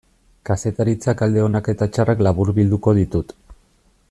Kazetaritzak alde onak eta txarrak laburbilduko ditut.